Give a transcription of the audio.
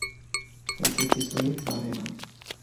এতে কিছুই বাড়ে না।